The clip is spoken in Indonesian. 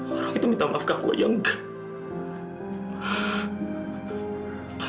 orang itu minta maaf ke aku aja enggak